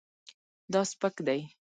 دا سپک دی